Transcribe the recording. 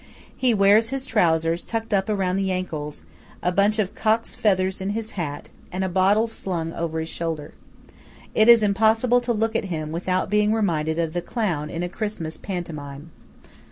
He wears his trowsers tucked up round the ancles; a bunch of cock's feathers in his hat; and a bottle slung over his shoulder. It is impossible to look at him without being reminded of the clown in a Christmas pantomime.